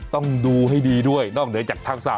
ต้องดูให้ดีด้วยนอกเหนือจากทักษะ